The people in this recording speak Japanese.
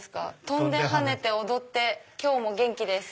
「飛んで跳ねて踊って今日も元気です」。